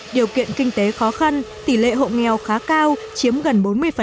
điều kiện kinh tế khó khăn tỷ lệ hộ nghèo khá cao chiếm gần bốn mươi